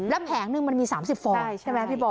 แล้วแผงนึงมันมี๓๐ฟองใช่ไหมพี่บอ